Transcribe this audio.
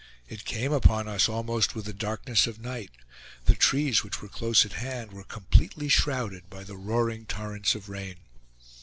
It came upon us almost with the darkness of night; the trees, which were close at hand, were completely shrouded by the roaring torrents of rain.